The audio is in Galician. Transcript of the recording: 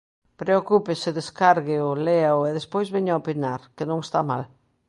Preocúpese, descárgueo, léao, e despois veña opinar, que non está mal.